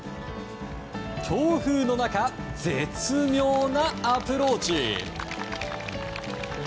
強風の中、絶妙なアプローチ。